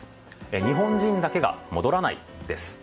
日本人だけが戻らない、です。